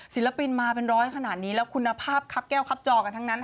ศิลปินมาเป็นร้อยขนาดนี้แล้วคุณภาพคับแก้วครับจอกันทั้งนั้น